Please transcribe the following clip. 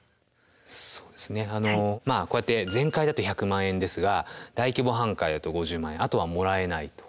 そうですねこうやって全壊だと１００万円ですが大規模半壊だと５０万円あとはもらえないと。